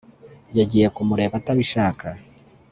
yagiye kumureba atabishaka